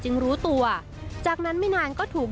รู้ตัวจากนั้นไม่นานก็ถูก